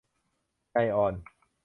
ไก่อ่อน